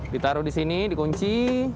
ditaruh di sini dikunci